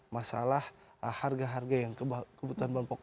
masalah harga harga yang kebutuhan bang poh